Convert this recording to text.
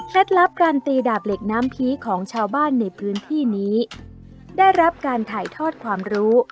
ลับการตีดาบเหล็กน้ำผีของชาวบ้านในพื้นที่นี้ได้รับการถ่ายทอดความรู้